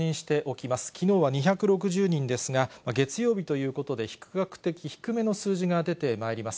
きのうは２６０人ですが、月曜日ということで、比較的低めの数字が出てまいります。